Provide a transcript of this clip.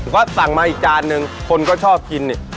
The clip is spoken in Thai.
ก็สั่งมาอีกจานนึงคนก็ชอบกินนี่